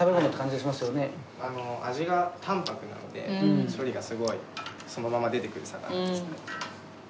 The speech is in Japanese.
味が淡泊なので処理がすごいそのまま出てくる魚ですね。